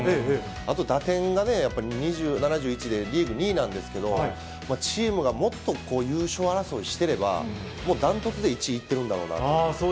あと打点がね、７１でリーグ２位なんですけど、チームがもっと優勝争いしていれば、断トツで１位いってるんだろうなと。